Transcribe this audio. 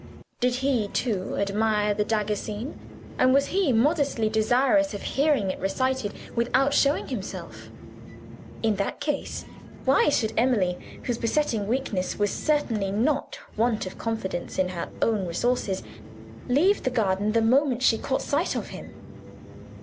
Did he, too, admire the dagger scene? And was he modestly desirous of hearing it recited, without showing himself? In that case, why should Emily (whose besetting weakness was certainly not want of confidence in her own resources) leave the garden the moment she caught sight of him?